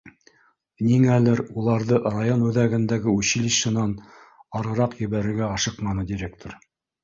Ниңәлер уларҙы район үҙәгендәге училищенан арыраҡ ебәрергә ашыҡманы директор.